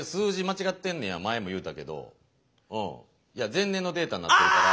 前年のデータなってるから。